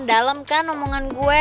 dalem kan omongan gue